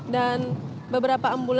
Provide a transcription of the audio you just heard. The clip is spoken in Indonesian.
dan beberapa ambuknya